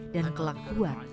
dan kelahirannya akan berjaya